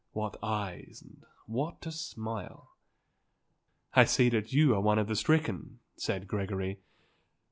What eyes and what a smile!" "I see that you are one of the stricken," said Gregory.